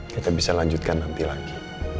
kita bisa lanjutkan nanti lagi